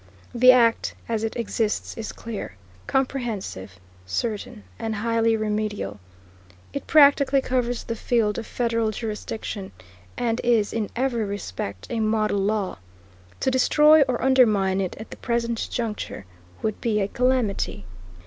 The act as it exists is clear, comprehensive, certain and highly remedial. It practically covers the field of federal jurisdiction, and is in every respect a model law. To destroy or undermine it at the present juncture, ... would be a calamity.